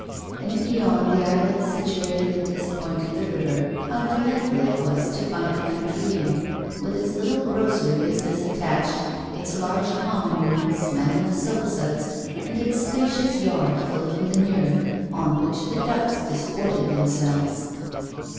And, beyond the islets situated at this point of the river, how delightful it was to find the country inn, with its little grocery business attached, its large common room smelling of soapsuds, and its spacious yard full of manure, on which the ducks disported themselves.